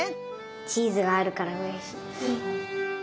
チーズがあるからうれしいです。